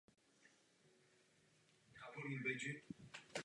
Navíc je to velice jasně uvedeno v čl.